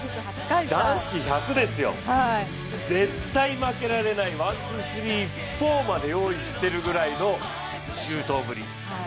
男子１００ですよ、絶対負けられないワン・ツー・スリーまで用意してるくらいの周到ぶり。